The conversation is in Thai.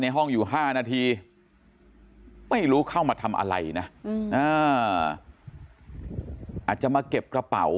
ห้องอยู่๕นาทีไม่รู้เข้ามาทำอะไรนะอาจจะมาเก็บกระเป๋า